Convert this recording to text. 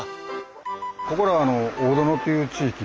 ここらはあの大殿という地域で。